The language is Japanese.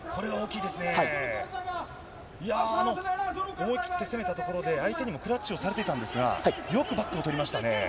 いやー、思い切って攻めたところで相手にもクラッチをされていたんですが、よくバックを取りましたね。